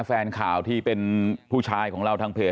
แฟนข่าวที่เป็นผู้ชายของเราทางเพจ